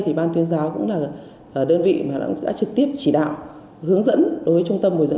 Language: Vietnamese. thì ban tuyên giáo cũng là đơn vị mà đã trực tiếp chỉ đạo hướng dẫn đối với trung tâm bồi dưỡng